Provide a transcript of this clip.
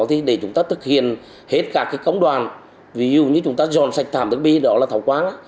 thì để chúng ta thực hiện hết cả cái cống đoàn ví dụ như chúng ta dọn sạch thảm đất bì đó là thảo quán